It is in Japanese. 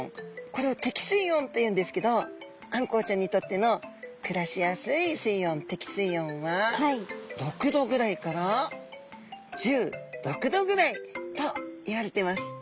これを適水温というんですけどあんこうちゃんにとっての暮らしやすい水温適水温は６℃ぐらいから１６℃ぐらいといわれています。